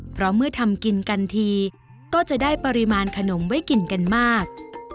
เพราะเมื่อทำกินกันทีก็จะได้ปริมาณขนมไว้กินกันมาก